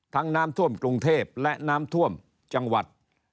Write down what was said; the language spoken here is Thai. น้ำท่วมกรุงเทพและน้ำท่วมจังหวัด